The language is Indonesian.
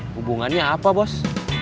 hubungannya apa bos